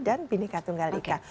dan bhinneka tunggal ika